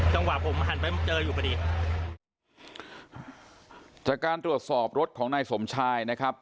จังหวะผมหันไปเจออยู่พอดีจากการตรวจสอบรถของนายสมชายนะครับ